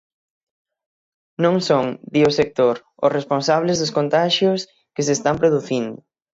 Non son, di o sector, os responsables dos contaxios que se están producindo.